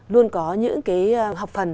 luôn có những cái học phần